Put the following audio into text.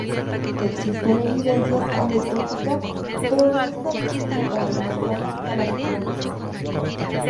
Existe evidencia anecdótica, pero no estadística para demostrar la escala del problema.